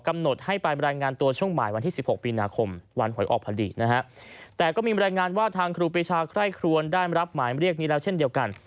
กำหนดให้ไปรายงานตัวช่วงบ่ายวันที่สิบหกมีนาคมวันหวยออกพอดีนะฮะแต่ก็มีบรรยายงานว่าทางครูปีชาไคร่ครวนได้รับหมายเรียกนี้แล้วเช่นเดียวกัน